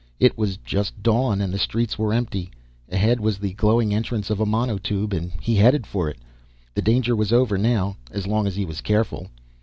It was just dawn and the streets were empty. Ahead was the glowing entrance of a monotube and he headed for it. The danger was over now, as long as he was careful.